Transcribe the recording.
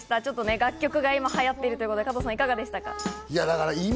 楽曲が今、流行ってるということで、いかがでしたか？